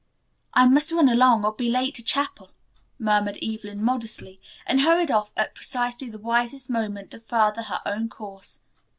"I must run along or be late to chapel," murmured Evelyn modestly, and hurried off at precisely the wisest moment to further her own cause.